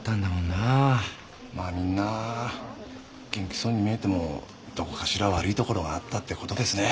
まあみんな元気そうに見えてもどこかしら悪いところがあったってことですね。